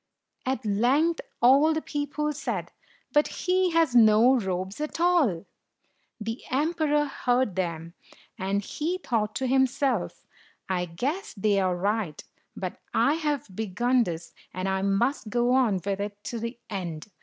At length all the people said, "But he has no robe at all !" The emperor heard them, and he thought to himself, " I guess they are right, but I have begun this, and I must go on with it to the end."